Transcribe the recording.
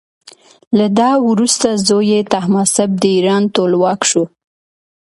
له ده وروسته زوی یې تهماسب د ایران ټولواک شو.